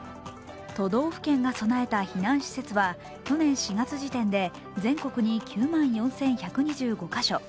都道府県が備えた避難施設は去年４月時点で全国に９万４１２５か所。